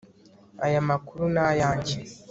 Aya makuru ni ayanjye